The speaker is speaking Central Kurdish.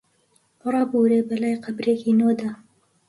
ڕابوورێ بەلای قەبرێکی نۆدا